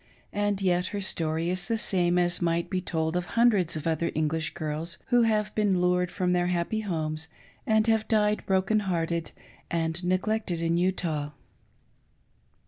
And yet her story is the same as might be told of hundreds of other English girls who have been lured from their happy homes and have died broken hearted and neglected in Utah.